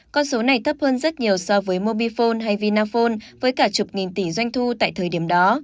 con số này thấp hơn rất nhiều so với mobifone hay vinaphone với cả chục nghìn tỷ doanh thu tại thời điểm đó